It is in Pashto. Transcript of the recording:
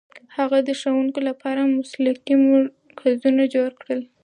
هغه د ښوونکو لپاره مسلکي مرکزونه جوړ کړل.